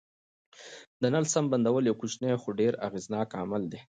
د نل سم بندول یو کوچنی خو ډېر اغېزناک عمل دی.